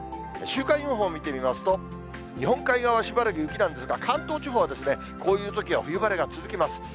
週間予報を見てみますと、日本海側はしばらく雪なんですが、関東地方はこういうときは冬晴れが続きます。